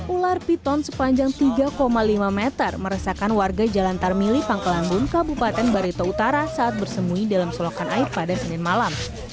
ular piton sepanjang tiga lima meter meresakan warga jalan tarmili pangkelangun kabupaten barito utara saat bersembunyi dalam selokan air pada senin malam